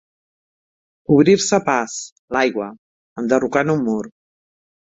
Obrir-se pas, l'aigua, enderrocant un mur.